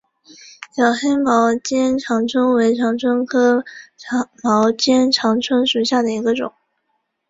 小黑毛肩长蝽为长蝽科毛肩长蝽属下的一个种。